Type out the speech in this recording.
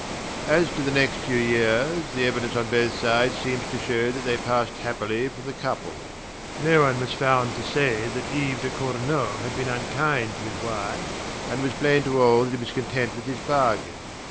As to the next few years, the evidence on both sides seems to show that they passed happily for the couple. No one was found to say that Yves de Cornault had been unkind to his wife, and it was plain to all that he was content with his bargain.